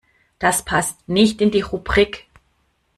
Das passt nicht in die Rubrik.